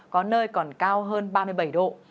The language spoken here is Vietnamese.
có nơi còn cao hơn ba mươi bảy độ